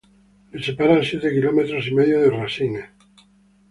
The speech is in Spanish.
Le separan siete kilómetros y medio de Rasines.